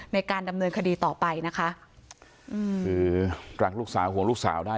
ในการดำเนินคดีต่อไปนะคะอืมคือรักลูกสาวห่วงลูกสาวได้